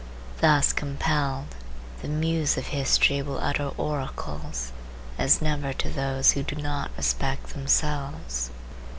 Thus compelled, the Muse of history will utter oracles, as never to those who do not respect themselves.